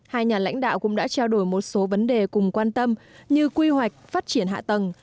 hai nhà lãnh đạo cũng đã trao đổi một số vấn đề cùng quan tâm như quy hoạch phát triển hạ tầng